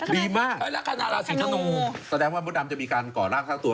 ดีมากละครานาละสีขนูแสดงว่ามุดดำจะมีการก่อรากทั้งตัว